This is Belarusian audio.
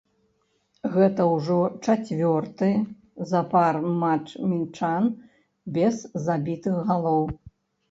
Гэта ўжо чацвёрты запар матч мінчан без забітых галоў.